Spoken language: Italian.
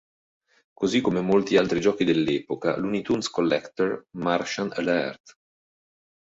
Così come molti altri giochi dell'epoca, "Looney Tunes Collector: Martian Alert!